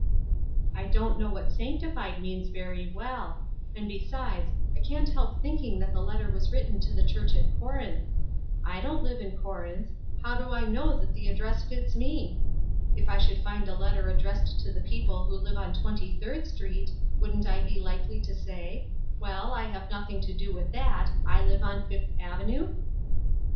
" I don't know what ' sanctified ' means very well; and, besides, I can't help thinking that the letter was written to the Church at Corinth. Zdon'tlive in Corinth; how do I know that the 126 Ruth Ershine's Crosses, address fits me ? If I should find a letter ad dressed to the people who live on Twenty third Street, wouldn't I be likely to say, 'Well, I have nothing to do with that ; I live on Fifth Avenue?'"